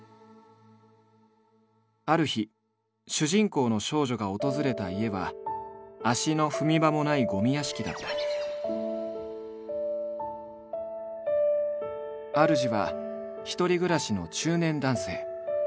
ある日主人公の少女が訪れた家は足の踏み場もない主は１人暮らしの中年男性。